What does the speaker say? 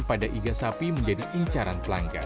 pada iga sapi menjadi incaran pelanggan